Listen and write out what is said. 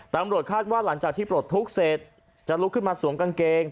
ตำรวจคาดว่าหลังจากที่ปลดทุกข์เสร็จจะลุกขึ้นมาสวมกางเกง